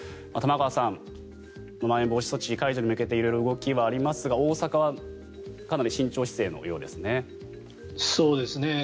玉川さんまん延防止措置解除に向けて色々、動きはありますが大阪はかなり慎重姿勢のようですね。